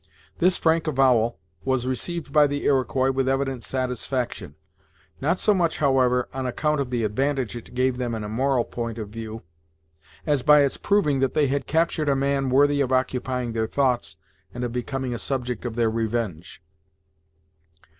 This frank avowal was received by the Iroquois with evident satisfaction, not so much, however, on account of the advantage it gave them in a moral point of view, as by its proving that they had captured a man worthy of occupying their thoughts and of becoming a subject of their revenge.